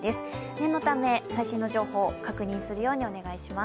念のため、最新の情報確認するようにお願いします。